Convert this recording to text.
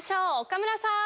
岡村さん。